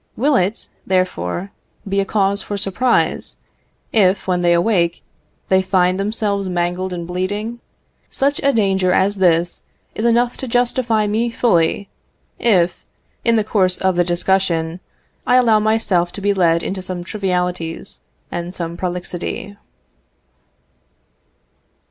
Will it, therefore, be a cause for surprise, if, when they awake, they find themselves mangled and bleeding? Such a danger as this is enough to justify me fully, if, in the course of the discussion, I allow myself to be led into some trivialities and some prolixity.